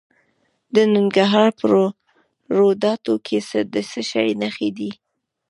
د ننګرهار په روداتو کې د څه شي نښې دي؟